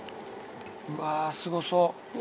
うわすごそううわ。